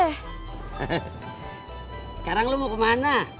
sekarang lo mau kemana